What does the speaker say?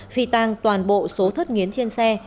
phì tàng toàn bộ số thất nghiến trên xe